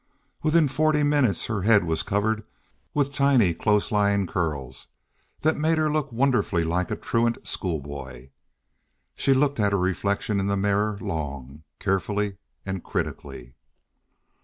Within forty minutes her head was covered with tiny, close lying curls that made her look wonderfully like a truant schoolboy. She looked at her reflection in the mirror long, carefully, and critically.